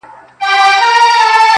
د هر وګړي زړه ټکور وو اوس به وي او کنه!